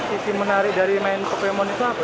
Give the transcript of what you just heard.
isi menarik dari main pokemon itu apa